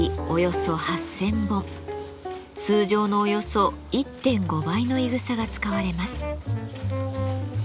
通常のおよそ１．５倍のいぐさが使われます。